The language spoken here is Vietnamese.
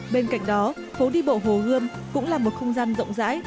bên cạnh đó phố đi bộ hồ gươm cũng là một không gian rộng rãi